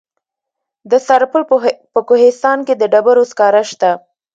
د سرپل په کوهستان کې د ډبرو سکاره شته.